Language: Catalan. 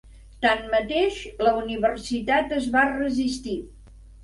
Tanmateix, la universitat es va resistir.